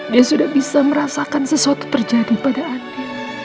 dia sudah bisa merasakan sesuatu terjadi pada anda